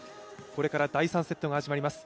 これから第３セットが始まります。